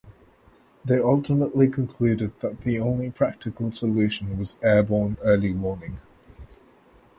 They ultimately concluded that the only practical solution was airborne early warning.